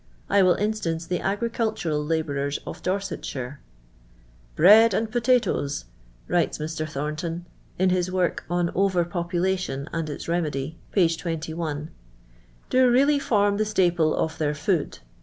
I will instance the agricultural labourers uf Dorsetshire. " Bread and potatoes," writes Mr. Thornton, in his work du Over Population and its Remedy, p. Ul, '• do really form the staple of their food.